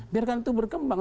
biarkan itu berkembang